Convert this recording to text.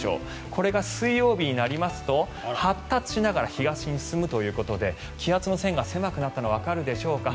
これが水曜日になりますと発達しながら東に進むということで気圧の線が狭くなったのがわかるでしょうか。